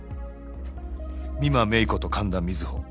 「美馬芽衣子」と「神田水帆」